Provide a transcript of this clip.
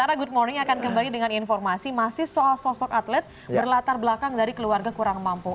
karena good morning akan kembali dengan informasi masih soal sosok atlet berlatar belakang dari keluarga kurang mampu